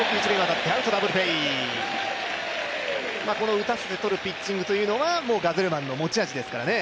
打たせて取るピッチングというのがガゼルマンの持ち味ですからね。